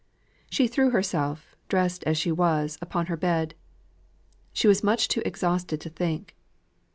She threw herself, dressed as she was, upon her bed. She was too much exhausted to think.